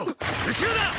後ろだ！！